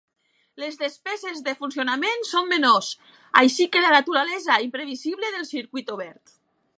Les despeses de funcionament són menors, així com la naturalesa imprevisible del circuit obert.